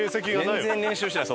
全然練習してない。